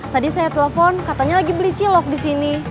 tadi saya telepon katanya lagi beli cilok di sini